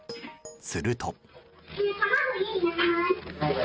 すると。